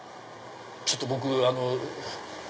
ちょっと僕あの。